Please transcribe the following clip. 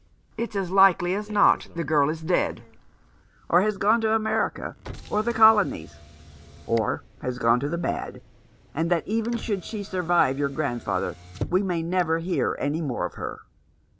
It's as likely as not the girl is dead, or has gone to America, or the Colonies, or has gone to the bad, and that even should she survive your grandfather we may never hear any more of her."